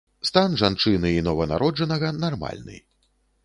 Стан жанчыны і нованароджанага нармальны.